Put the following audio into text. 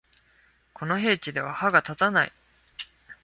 この兵器では歯が立たない